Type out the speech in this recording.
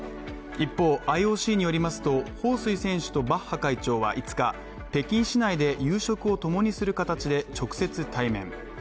一方、ＩＯＣによりますと彭帥選手とバッハ会長は５日北京市内で夕食を共にする形で直接対面。